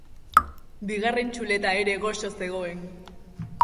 Bigarren txuleta ere goxo zegoen.